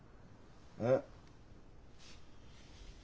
えっ？